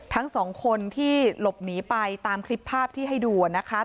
ทั้งสองคนที่หลบหนีไปตามคลิปภาพที่ให้ดูนะคะ